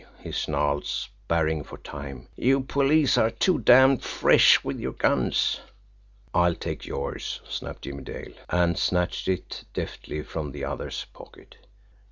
he snarled, sparring for time. "You police are too damned fresh with your guns!" "I'll take yours!" snapped Jimmie Dale, and snatched it deftly from the other's pocket.